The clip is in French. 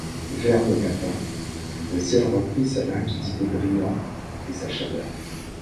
Vers le matin, le ciel reprit sa limpidité brillante et sa chaleur.